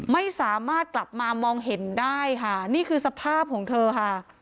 ไม่สามารถกลับมามองเห็นได้ค่ะนี่คือสภาพของเธอค่ะ